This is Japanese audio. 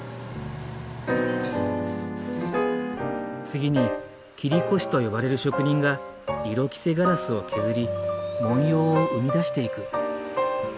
次に切子師と呼ばれる職人が色被せガラスを削り文様を生み出していく。